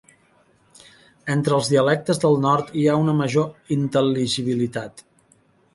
Entre els dialectes del nord hi ha una major intel·ligibilitat.